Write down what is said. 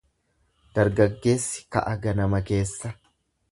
Dargaggeessi ka'a ganama keessa.